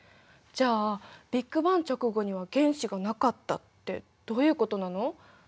じゃあ「ビッグバン直後には原子がなかった」ってどういうことなの？